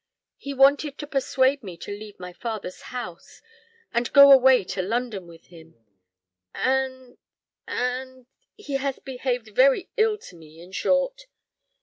"He wanted to persuade me to leave my father's house, and go away to London with him; and and he has behaved very ill to me, in short."